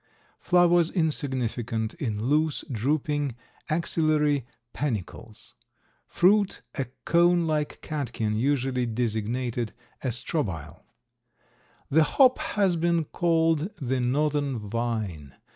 Flowers insignificant in loose, drooping axillary panicles. Fruit a cone like catkin usually designated a strobile. The hop has been called the northern vine.